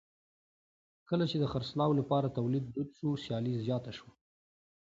کله چې د خرڅلاو لپاره تولید دود شو سیالي زیاته شوه.